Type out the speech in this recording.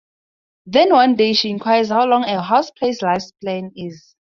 Then one day she inquires how long a housefly's life span is.